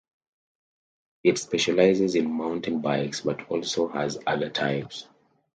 It specializes in mountain bikes but also has other types.